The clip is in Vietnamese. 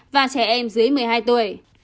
và trẻ em dưới một mươi hai tuổi